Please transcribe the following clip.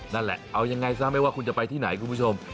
นั่นแหละเอายังไงซะไม่ว่าคุณจะไปที่ไหนคุณผู้ชม